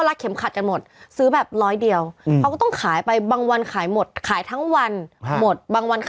แล้วกินก๋วยเตี๋ยวจานนึง๔๐บาท